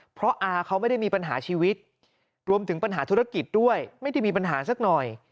เพราะอาเขาไม่ได้มีปัญหาชีวิตรวมถึงปัญหาธุรกิจด้วยไม่ได้มีปัญหาสักหน่อย